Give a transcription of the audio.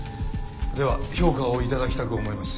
では評価を頂きたく思います。